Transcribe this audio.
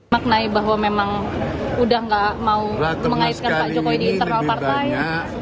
maknai bahwa memang udah gak mau mengaitkan pak jokowi di internal partai